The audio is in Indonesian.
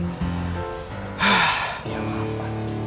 hah iya mah pak cik